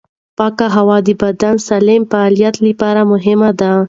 پاکه هوا د بدن د سالم فعالیت لپاره مهمه ده.